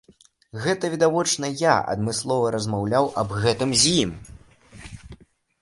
Гэта відавочна, я адмыслова размаўляў аб гэтым з ім.